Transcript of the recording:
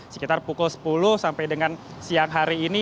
sekitar pukul sepuluh sampai dengan siang hari ini